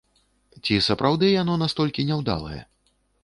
Ці сапраўды яно настолькі няўдалае?